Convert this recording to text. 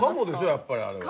やっぱりあれは。